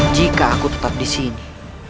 jika aku tetap disini